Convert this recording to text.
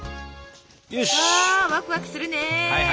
わくわくするね。